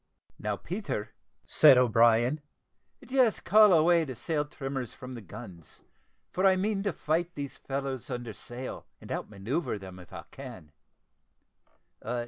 "Now, Peter," said O'Brien, "just call away the sail trimmers from the guns, for I mean to fight these fellows under sail, and out manoeuvre them, if I can.